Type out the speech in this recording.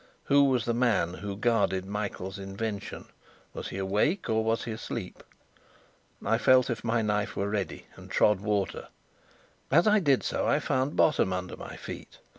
Who was the man who guarded Michael's invention? Was he awake or was he asleep? I felt if my knife were ready, and trod water; as I did so, I found bottom under my feet.